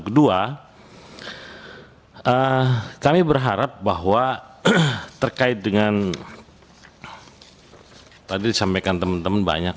kedua kami berharap bahwa terkait dengan tadi disampaikan teman teman banyak